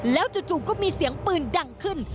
แล้วจู่ก็มีเสียงปืนดังขึ้น